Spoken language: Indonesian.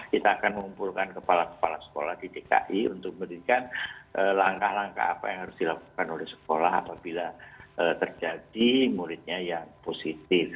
kita akan mengumpulkan kepala kepala sekolah di dki untuk mendirikan langkah langkah apa yang harus dilakukan oleh sekolah apabila terjadi muridnya yang positif